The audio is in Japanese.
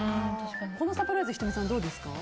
このサプライズ仁美さん、どうですか？